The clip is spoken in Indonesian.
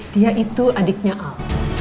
dia itu adiknya al